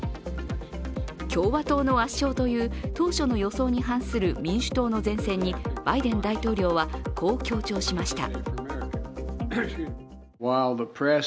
共和党の圧勝という当初の予想に反する民主党の善戦にバイデン大統領はこう強調しました。